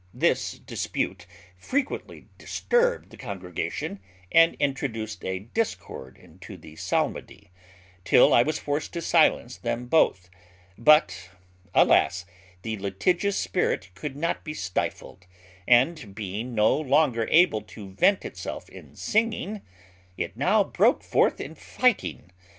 This dispute frequently disturbed the congregation, and introduced a discord into the psalmody, till I was forced to silence them both. But, alas! the litigious spirit could not be stifled; and, being no longer able to vent itself in singing, it now broke forth in fighting.